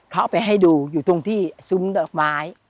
เขาเอาไปให้ดูอยู่ตรงที่ซุ้มดอกไม้